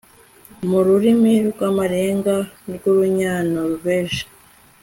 mu rurimi rw amarenga rw urunyanoruveje